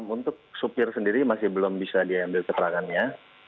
untuk supir sendiri masih belum bisa diambil keterangannya